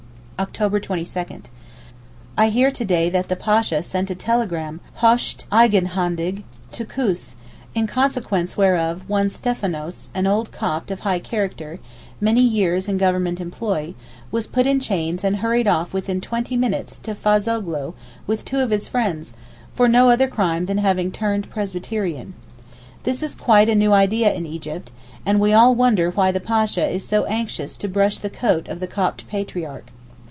October 22.—I hear to day that the Pasha sent a telegram hochst eigenhändig to Koos, in consequence whereof one Stefanos, an old Copt of high character, many years in Government employ, was put in chains and hurried off within twenty minutes to Fazoghlou with two of his friends, for no other crime than having turned Presbyterian. This is quite a new idea in Egypt, and we all wonder why the Pasha is so anxious to 'brush the coat' of the Copt Patriarch.